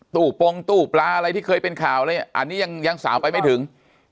ปงตู้ปลาอะไรที่เคยเป็นข่าวอะไรอันนี้ยังสาวไปไม่ถึง